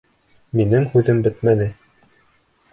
Минең һүҙем бөтмәне!